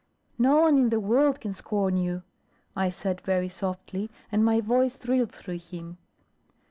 "No one in the world can scorn you," I said very softly, and my voice thrilled through him.